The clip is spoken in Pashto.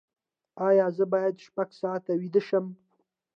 ایا زه باید شپږ ساعته ویده شم؟